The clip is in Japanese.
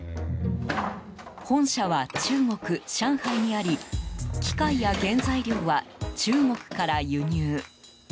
本社は中国・上海にあり機械や原材料は中国から輸入。